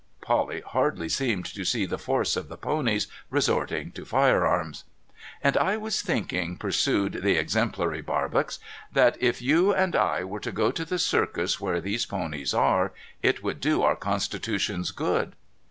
(Polly hardly seemed to see the force of the ponies resorting to fire arms.) ' And I was thinking,' pursued the exemplary Barbox, ' that if you and I were to go to the Circus where these ponies are, it would do our constitutions good.'